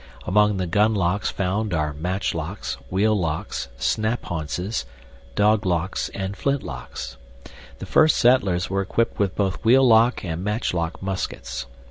Among the gunlocks found are matchlocks, wheel locks, snaphaunces, "doglocks," and flintlocks. The first settlers were equipped with both wheel lock and matchlock muskets.